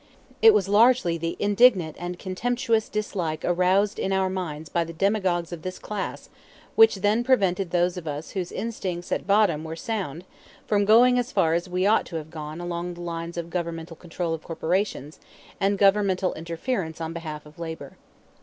It was largely the indignant and contemptuous dislike aroused in our minds by the demagogues of this class which then prevented those of us whose instincts at bottom were sound from going as far as we ought to have gone along the lines of governmental control of corporations and governmental interference on behalf of labor.